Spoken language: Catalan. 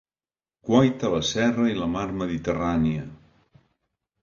Guaita la serra i la mar Mediterrània.